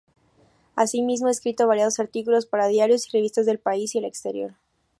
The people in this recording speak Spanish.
Asimismo ha escrito variados artículos para diarios y revistas del país y el exterior.